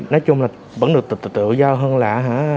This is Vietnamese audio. nói chung là vẫn được tự tự giao hơn là